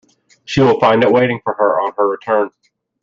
She will find it waiting for her on her return.